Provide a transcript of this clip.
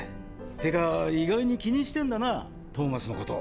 てか意外に気にしてんだなトーマスのこと。